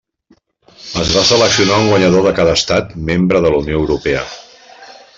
Es va seleccionar un guanyador de cada estat membre de la Unió Europea.